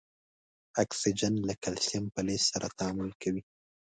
اکسیجن له کلسیم فلز سره تعامل کوي.